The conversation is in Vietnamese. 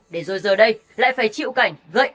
để rồi giờ đây lại phải chịu cảnh gợi ông đập lưng ông